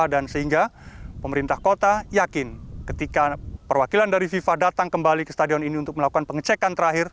dan sehingga pemerintah kota yakin ketika perwakilan dari fifa datang kembali ke stadion ini untuk melakukan pengecekan terakhir